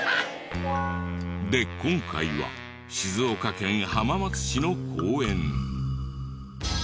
で今回は静岡県浜松市の公園。